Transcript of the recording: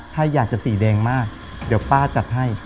ถ้าอยากจะสีแดงมากเดี๋ยวป้าจัดให้